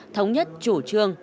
thống nhất chủ trương